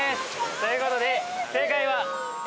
ということで正解は。